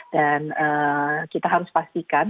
dan kita harus pastikan